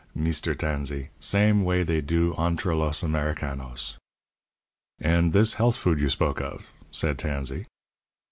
Meester Tansee same way they do entre los Americanos." "And this health food you spoke of?" said Tansey.